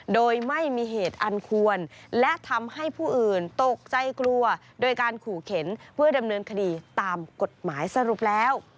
โดยไม่มีเหตุอันควรและทำให้ผู้อื่นตกใจกลัวโดยการขู่เข็นเพื่อดำเนินคดีตามกฎหมายสรุปแล้ว